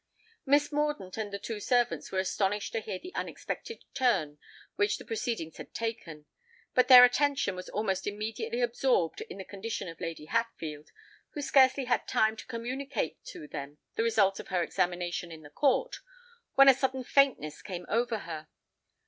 Miss Mordaunt and the two servants were astonished to hear the unexpected turn which the proceedings had taken; but their attention was almost immediately absorbed in the condition of Lady Hatfield, who scarcely had time to communicate to them the result of her examination in the court, when a sudden faintness came over her.